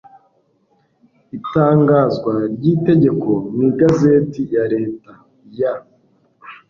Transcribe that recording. itangazwa ry iri tegeko mu igazeti ya leta ya